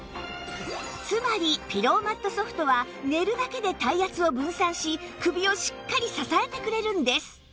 つまりピローマット Ｓｏｆｔ は寝るだけで体圧を分散し首をしっかり支えてくれるんです